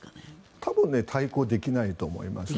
多分、対抗できないと思いますね。